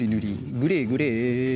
グレーグレー。